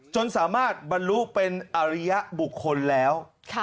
จนสามารถบรรลุเป็นอริยบุคคลแล้ว